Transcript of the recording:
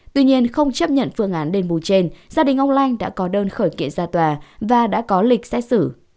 tuy nhiên không chấp nhận phương án đền bù trên gia đình ông lanh đã có đơn khởi kiện ra tòa và đã có lịch xét xử